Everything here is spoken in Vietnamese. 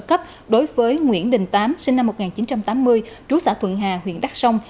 cấp đối với nguyễn đình tám sinh năm một nghìn chín trăm tám mươi trú xã thuận hà huyện đắc sông